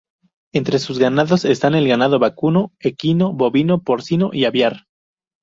Entre sus ganados están el ganado vacuno, equino, bovino, porcino y aviar.